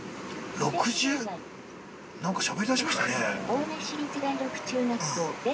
◆なんか、しゃべりだしましたね。